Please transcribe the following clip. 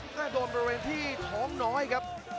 ก็โดนบริเวณที่ท้องน้อยครับ